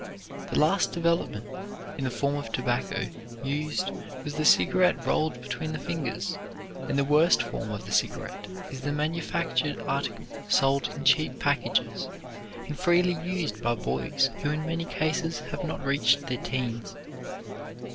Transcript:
The last development in the form of tobacco using was the cigarette rolled between the fingers, and the worst form of the cigarette is the manufactured article sold in cheap packages and freely used by boys who in many cases have not reached their teens.